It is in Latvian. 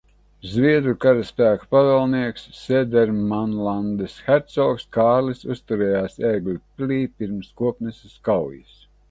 Zviedru karaspēka pavēlnieks Sēdermanlandes hercogs Kārlis uzturējās Ērgļu pilī pirms Kokneses kaujas.